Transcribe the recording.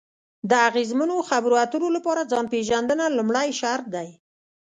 د اغیزمنو خبرو اترو لپاره ځان پېژندنه لومړی شرط دی.